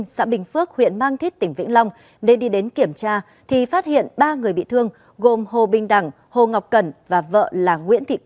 xin chào và hẹn gặp lại